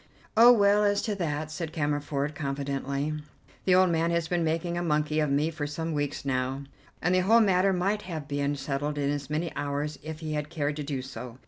"Oh, well, as to that," said Cammerford, confidently, "the old man has been making a monkey of me for some weeks now, and the whole matter might have been settled in as many hours if he had cared to do so.